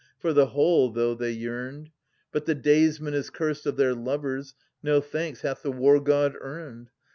For the whole though they yearned. But the daysman is cursed of their lovers, no thanks hath the War god earned.